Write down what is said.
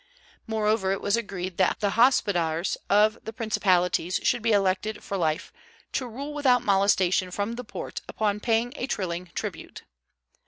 Moreover, it was agreed that the hospodars of the principalities should be elected for life, to rule without molestation from the Porte upon paying a trilling tribute.